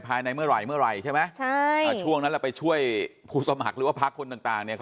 ภายในเมื่อไหร่ใช่ไหมช่วงนั้นแล้วไปช่วยผู้สมัครหรือว่าพรรคคนต่าง